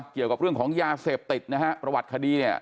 เกี่ยวกับเรื่องของยาเสพติดนะฮะประวัติคดีเนี่ย